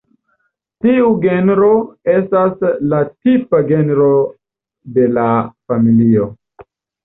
Tiu genro estas la tipa genro de la familio.